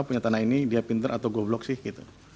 punya tanah ini dia pinter atau goblok sih gitu